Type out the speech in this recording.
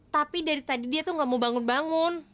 tapi dari tadi dia tuh gak mau bangun bangun